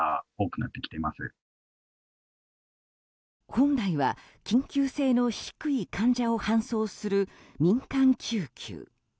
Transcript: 本来は緊急性の低い患者を搬送する民間救急。